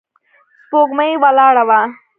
سپوږمۍ ولاړه وه.